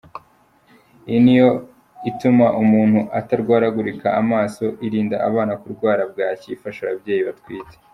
Iyi niyo ituma umuntu atarwaragurika amaso, irinda abana kurwara bwaki, ifasha ababyeyi batwite,… ”.